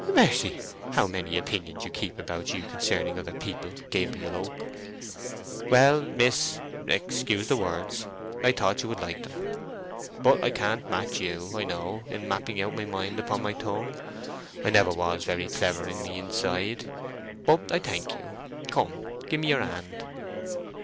"Mercy!—how many opinions you keep about you concerning other people, Gabriel Oak." "Well, Miss—excuse the words—I thought you would like them. But I can't match you, I know, in mapping out my mind upon my tongue. I never was very clever in my inside. But I thank you. Come, give me your hand."